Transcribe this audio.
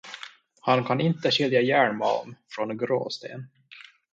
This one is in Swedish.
Han kan inte skilja järnmalm från gråsten.